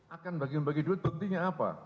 akan bagi bagi duit tentunya apa